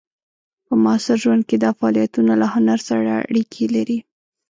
په معاصر ژوند کې دا فعالیتونه له هنر سره اړیکې لري.